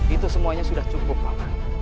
itu semuanya sudah cukup lama